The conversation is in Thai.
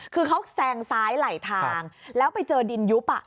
คือเขาแซงซ้ายไหลทางแล้วไปเจอดินยุบ